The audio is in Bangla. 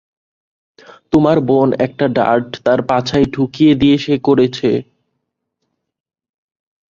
তোমার বোন একটা ডার্ট তার পাছায় ঢুকিয়ে দিয়েছে সে করেছে?